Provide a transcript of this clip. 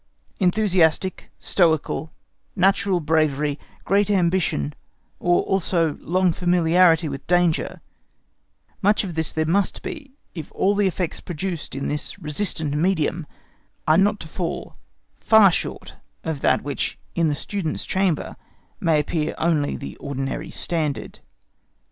Enthusiastic, stoical, natural bravery, great ambition, or also long familiarity with danger—much of all this there must be if all the effects produced in this resistant medium are not to fall far short of that which in the student's chamber may appear only the ordinary standard.